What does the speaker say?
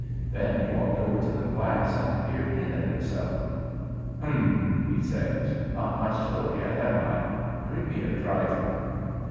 Then he walked over to the glass and peered in at himself. "Humph!" he said. "Not much to look at, am I? Bring me a driver."